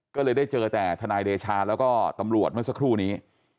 ก็เลยได้เจอแต่ทนายเดชาแล้วก็ตำรวจเมื่อสักครู่นี้